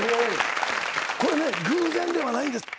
これね、偶然ではないんです。